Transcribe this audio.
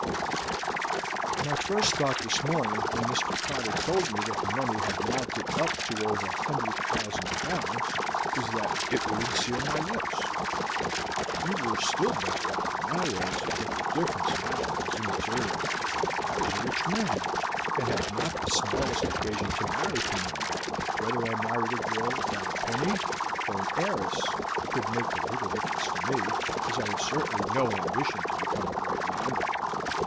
"My first thought this morning, when Mr. Cotter told me that the money had mounted up to over 100,000 pounds, was that it would unseal my lips. You were still better off than I was, but the difference was now immaterial. I was a rich man, and had not the smallest occasion to marry for money. Whether I married a girl without a penny, or an heiress, could make but little difference to me, as I have certainly no ambition to become a great landowner.